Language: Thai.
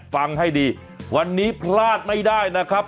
ฟังให้ดีวันนี้พลาดไม่ได้นะครับ